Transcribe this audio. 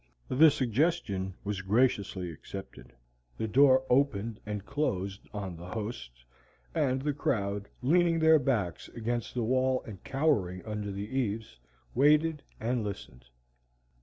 The suggestion was graciously accepted, the door opened and closed on the host, and the crowd, leaning their backs against the wall and cowering under the eaves, waited and listened.